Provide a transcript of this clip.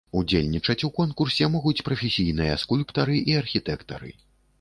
Удзельнічаць у конкурсе могуць прафесійныя скульптары і архітэктары.